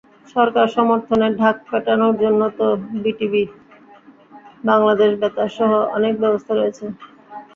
সরকারের সমর্থনে ঢাক পেটানোর জন্য তো বিটিভি, বাংলাদেশ বেতারসহ অনেক ব্যবস্থা রয়েছে।